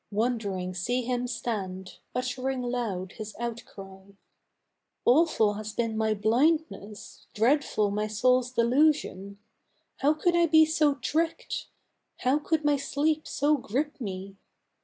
Wondering see him stand, uttering loud his outcry: "Awful has been my blindness, dreadful my soul's delusion. How could I be so tricked? how could my sleep so grip me?